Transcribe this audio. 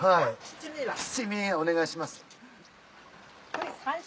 七味お願いします。